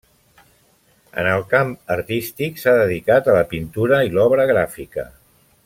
En el camp artístic s'ha dedicat a la pintura i l'obra gràfica.